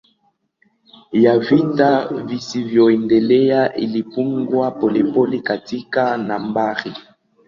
ya vita visivyoendelea ilipungua polepole katika nambari